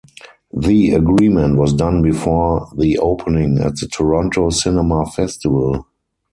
The agreement was done before the opening at the Toronto Cinema Festival.